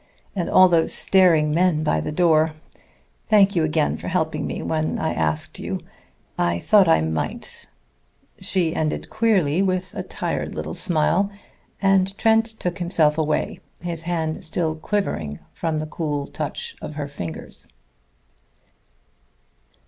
And all those staring men by the door! Thank you again for helping me when I asked you.... I thought I might," she ended queerly, with a little tired smile; and Trent took himself away, his hand still quivering from the cool touch of her fingers.